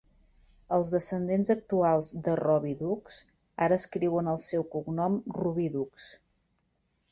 Els descendents actuals de Robidoux ara escriuen el seu cognom Rubidoux.